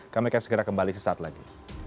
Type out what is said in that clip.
kami akan segera kembali sesaat lagi